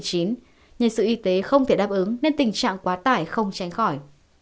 nhân sự y tế không thể đáp ứng nên tình trạng quá tải không tránh khỏi